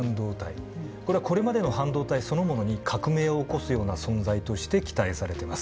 これはこれまでの半導体そのものに革命を起こすような存在として期待されてます。